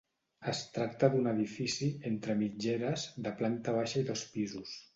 Es tracta d'un edifici, entre mitgeres, de planta baixa i dos pisos.